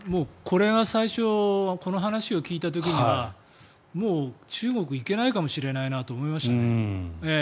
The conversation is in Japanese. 最初この話を聞いた時にはもう中国に行けないかもしれないなと思いましたね。